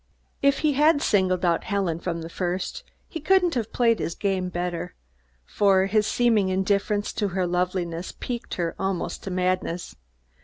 If he had singled out Helen from the first, he couldn't have played his game better, for his seeming indifference to her loveliness piqued her almost to madness.